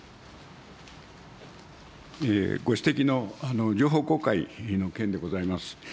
ご指摘の情報公開の件でございます。